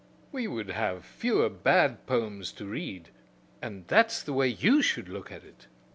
We'd have fewer bad poems to read; and that's the way you should look at it.